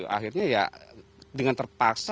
akhirnya ya dengan terpaksa